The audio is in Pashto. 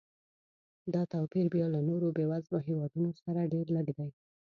دا توپیر بیا له نورو بېوزلو هېوادونو سره ډېر لږ دی.